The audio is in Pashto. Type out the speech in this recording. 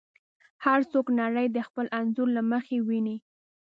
هر څوک نړۍ د خپل انځور له مخې ویني.